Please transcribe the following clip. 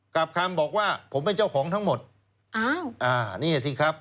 กับคำบอกว่าผมเป็นเจ้าของทั้งหมดอ้าวอ่านี่สิครับ